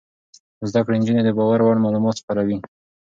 زده کړې نجونې د باور وړ معلومات خپروي.